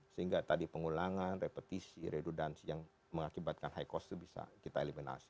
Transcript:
sehingga tadi pengulangan repetisi redudensi yang mengakibatkan high cost itu bisa kita eliminasi